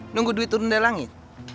nunggu duit turun dari langit